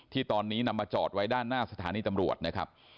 ที่ตอนนี้นำมาจอดไว้ด้านหน้าสถานีตำรวจนะครับ